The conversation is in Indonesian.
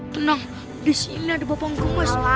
tenang disini ada bapak gemes